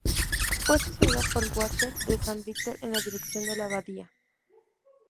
Fue sucedido por Gualterio de San Víctor en la dirección de la abadía.